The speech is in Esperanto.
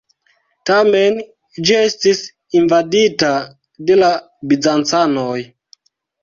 Tamen, ĝi estis invadita de la bizancanoj.